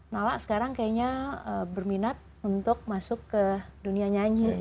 nala sekarang kayaknya berminat untuk masuk ke dunia nyanyi